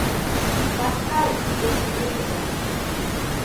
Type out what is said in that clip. Саскай ӱдыржын лӱмжӧ!